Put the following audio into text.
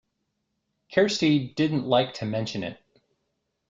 Kirsty didn’t like to mention it.